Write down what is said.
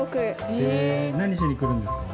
何しに来るんですか？